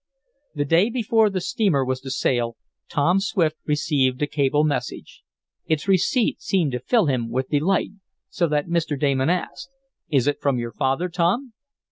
The day before the steamer was to sail, Tom Swift received a cable message. Its receipt seemed to fill him with delight, so that Mr. Damon asked: "Is it from your father, Tom?"